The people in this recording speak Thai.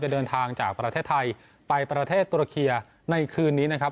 เดินทางจากประเทศไทยไปประเทศตุรเคียในคืนนี้นะครับ